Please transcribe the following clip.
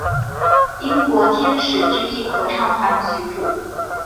英国天使之翼合唱团谱曲。